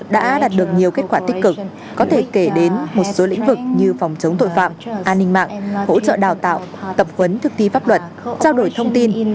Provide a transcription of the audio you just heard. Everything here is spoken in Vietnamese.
hợp tác thực thi pháp luật đã đạt được nhiều kết quả tích cực có thể kể đến một số lĩnh vực như phòng chống tội phạm an ninh mạng hỗ trợ đào tạo tập huấn thực thi pháp luật trao đổi thông tin